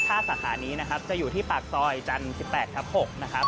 ท่าสาขานี้นะครับจะอยู่ที่ปากตอยจันทร์๑๘ครับผม